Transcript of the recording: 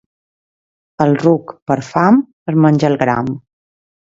El ruc, per fam, es menja el gram.